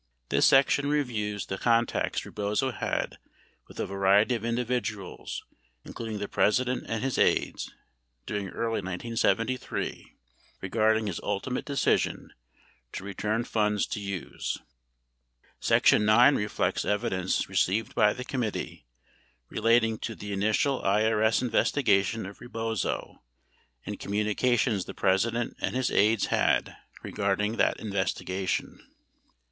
This section reviews the con tacts Rebozo had with a variety of individuals including the President and his aides during early 1973 regarding his ultimate decision to return funds to Hughes. Section IX reflects evidence received by the committee relating to the initial IRS investigation of Rebozo and communications the Presi dent and his aides had regarding that investigation.